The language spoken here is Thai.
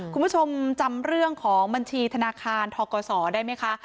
คุณผู้ชมจำเรื่องของบัญชีธนาคารทกศได้ไหมคะ